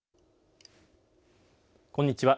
こんにちは。